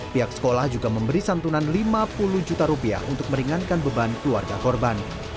pihak sekolah juga memberi santunan lima puluh juta rupiah untuk meringankan beban keluarga korban